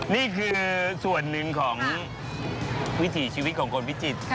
นี่คือส่วนหนึ่งของวิถีชีวิตของคนพิจิตร